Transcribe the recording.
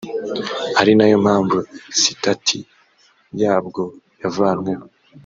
ari nayo mpamvu sitati yabwo yavanweho